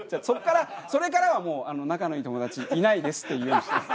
そっからそれからはもう仲のいい友達いないですって言うようにして。